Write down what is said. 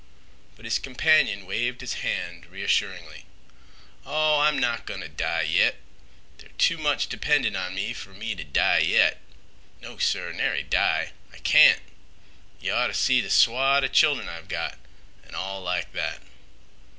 But his companion waved his hand reassuringly. "Oh, I'm not goin' t' die yit! There too much dependin' on me fer me t' die yit. No, sir! Nary die! I can't! Ye'd oughta see th' swad a' chil'ren I've got, an' all like that."